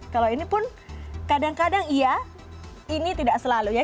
kalau ini pun kadang kadang iya ini tidak selalu ya